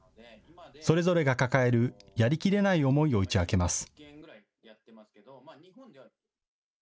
それぞれが抱えるやりきれない思いを打ち明けます。